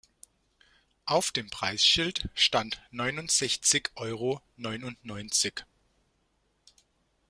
Auf dem Preisschild stand neunundsechzig Euro neunundneunzig.